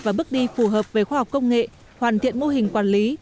và bước đi phù hợp về khoa học công nghệ hoàn thiện mô hình quản lý